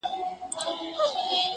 چا ویل چي خدای د انسانانو په رکم نه دی.